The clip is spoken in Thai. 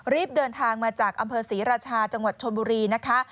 รีบเดินทางมาจากอำเภอศรีราชาจังหวัดชนบุรีนะคะ